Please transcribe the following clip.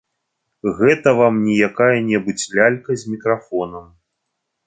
Гэта вам не якая-небудзь лялька з мікрафонам!